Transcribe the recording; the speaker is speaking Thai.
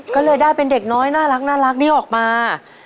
ก็เลยได้เป็นเด็กน้อยน่ารักนี้ออกมา